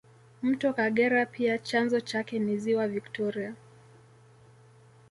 Mto Kagera pia chanzo chake ni ziwa Viktoria